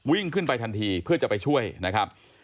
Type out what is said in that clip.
วิ่งขึ้นไปทันทีเพื่อจะไปช่วยนะครับ